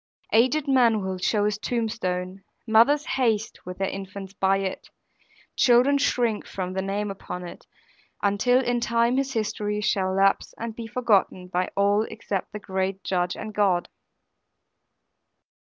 Aged men will show his tombstone; mothers haste with their infants by it; children shrink from the name upon it, until in time his history shall lapse and be forgotten by all except the great Judge and God.